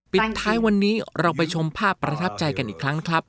ปิดท้ายวันนี้เราไปชมภาพประทับใจกันอีกครั้งนะครับ